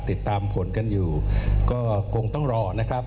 ติดตามผลกันอยู่ก็คงต้องรอนะครับ